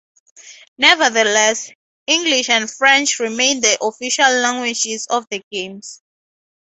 Nevertheless, English and French remain the official languages of the Games.